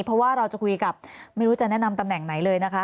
เพราะว่าเราจะคุยกับไม่รู้จะแนะนำตำแหน่งไหนเลยนะคะ